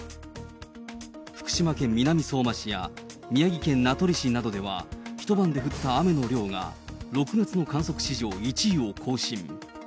福島県南相馬市や宮城県名取市などでは、一晩で降った雨の量が６月の観測史上１位を更新。